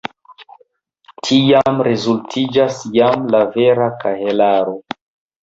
Tiam rezultiĝas jam la vera kahelaro.